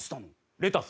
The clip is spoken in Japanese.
レタス。